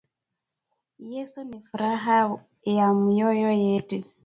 Yesu ni furah ya myoyo yetu